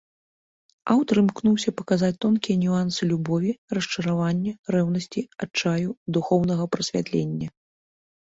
Аўтар імкнуўся паказаць тонкія нюансы любові, расчаравання, рэўнасці, адчаю, духоўнага прасвятлення.